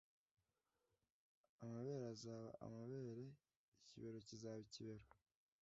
amabere azaba amabere ikibero kizaba ikibero